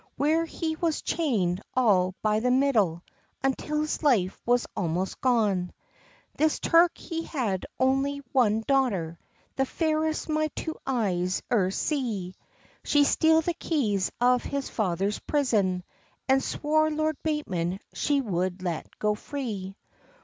Where he was chained all by the middle, Until his life was almost gone. This Turk he had one only daughter, The fairest my two eyes eer see; She steal the keys of her father's prison, And swore Lord Bateman she would let go free.